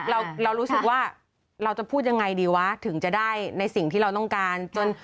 เรารู้สึกว่าเราจะพูดยังไงดีวะถึงจะได้ในสิ่งที่เราต้องการจน